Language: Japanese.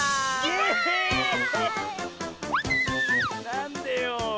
なんでよ。